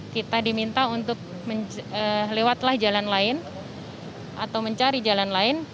kita diminta untuk lewatlah jalan lain atau mencari jalan lain